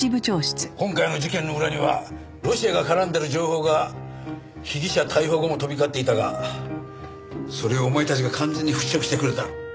今回の事件の裏にはロシアが絡んでる情報が被疑者逮捕後も飛び交っていたがそれをお前たちが完全に払拭してくれた。